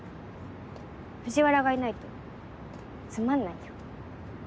藤原がいないとつまんないよ。